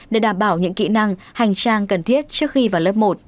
để đảm bảo những kỹ năng hành trang cần thiết trước khi vào lớp một